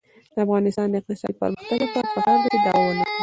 د افغانستان د اقتصادي پرمختګ لپاره پکار ده چې دعوه ونکړو.